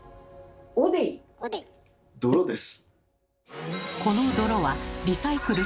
泥です。